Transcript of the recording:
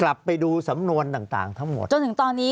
ภารกิจสรรค์ภารกิจสรรค์